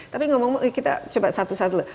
tapi kita coba satu satu dulu